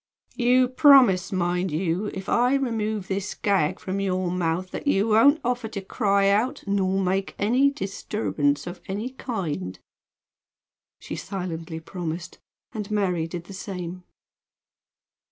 "You promise, mind you if I remove this gag from your mouth that you won't offer to cry out, nor make any disturbance of any kind?" She silently promised; and Mary did the same.